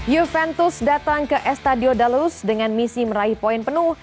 juventus datang ke estadio dalus dengan misi meraih poin penuh